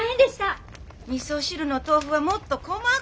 みそ汁の豆腐はもっと細こう切り。